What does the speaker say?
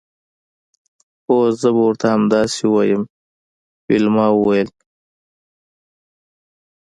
هو زه به ورته همداسې ووایم ویلما وویل